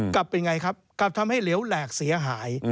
กลับเป็นไงครับกลับทำให้เหลวแหลกเสียหาย